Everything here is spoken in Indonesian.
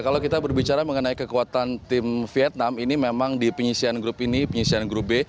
kalau kita berbicara mengenai kekuatan tim vietnam ini memang di penyisian grup ini penyisian grup b